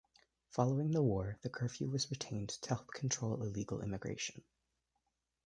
Following the war, the curfew was retained to help control illegal immigration.